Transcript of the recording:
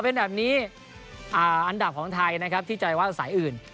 พอเป็นแบบนี้อันดับของไอธาตุแหวะสายอื่น